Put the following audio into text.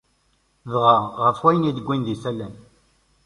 Dɣa, ɣef wayen i d-wwin d isallen.